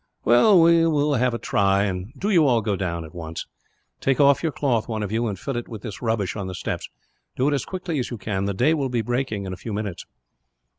"We will have a try, and do you all go down, at once. "Take off your cloth, one of you, and fill it with this rubbish on the steps. Do it as quickly as you can. The day will be breaking, in a few minutes."